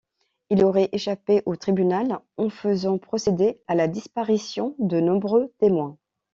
Il aurait échappé au tribunal en faisant procéder à la disparition de nombreux témoins.